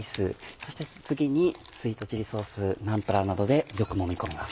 そして次にスイートチリソースナンプラーなどでよくもみ込みます。